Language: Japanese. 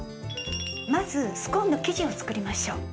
まずスコーンの生地を作りましょう。